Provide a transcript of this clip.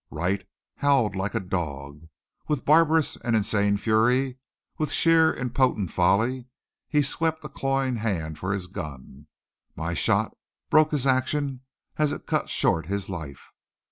Wright howled like a dog. With barbarous and insane fury, with sheer, impotent folly, he swept a clawing hand for his gun. My shot broke his action as it cut short his life.